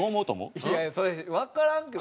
いやいやそれわからんけど。